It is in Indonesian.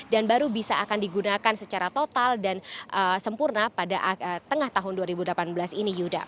dan baru bisa akan digunakan secara total dan sempurna pada tengah tahun dua ribu dua puluh satu